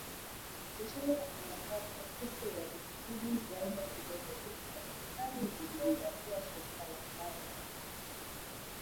Nchini Burkina Faso siku ya Jumapili ,vyanzo vile vya jeshi la serikali vililiambia shirika la habari la Reuters